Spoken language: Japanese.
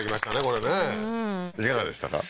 これねいかがでしたか？